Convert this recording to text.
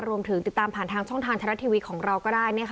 รวมถึงติดตามผ่านทางช่องทางทรัฐทีวีของเราก็ได้